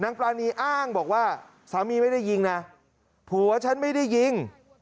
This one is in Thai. ปรานีอ้างบอกว่าสามีไม่ได้ยิงนะผัวฉันไม่ได้ยิง